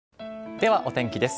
ではお天気です。